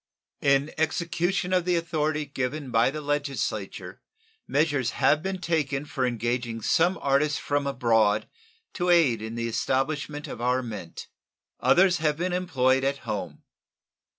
In execution of the authority given by the Legislature measures have been taken for engaging some artists from abroad to aid in the establishment of our mint. Others have been employed at home.